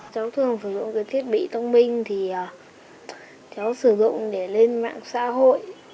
cháu thường sử dụng cái thiết bị thông minh thì cháu sử dụng để lên mạng xã hội